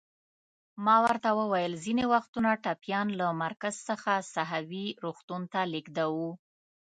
ما ورته وویل: ځینې وختونه ټپیان له مرکز څخه ساحوي روغتون ته لېږدوو.